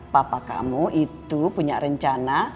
papa kamu itu punya rencana